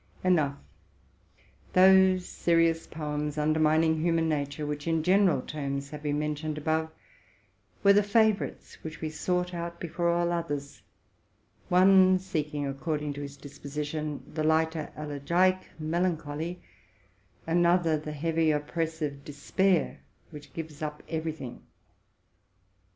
In short, those serious poems, undermining human nature, which, in general terms, have been mentioned above, were the favorites which we sought out before all others, one seek ing, according to his disposition, the lighter elegiac melan RELATING TO MY LIFE. 165 choly, another the heavy, oppressive despair, which gives up every thing.